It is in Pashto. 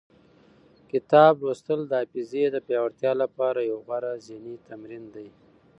کتاب لوستل د حافظې د پیاوړتیا لپاره یو غوره ذهني تمرین دی.